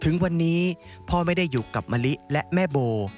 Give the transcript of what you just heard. ถึงวันนี้พ่อไม่ได้อยู่กับมะลิและแม่โบ